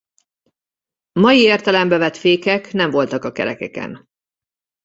Mai értelembe vett fékek nem voltak a kerekeken.